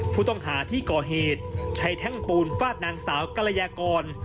ผู้ต้องหาที่ก่อเหตุใช้แท่งปูนฟาดนางสาวกรยากร